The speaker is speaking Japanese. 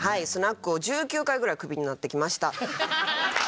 スナックを１９回ぐらいクビになってきました。